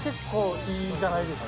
いいじゃないですか。